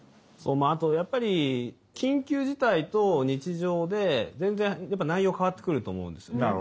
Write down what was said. そうまああとやっぱり緊急事態と日常で全然やっぱ内容変わってくると思うんですよね。